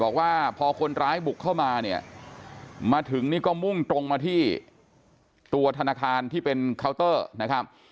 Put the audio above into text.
บอกว่าพอคนร้ายบุกเข้ามาเนี่ยมาถึงนี่ก็มุ่งตรงมาที่ตัวธนาคารที่เป็นเคาน์เตอร์นะครับ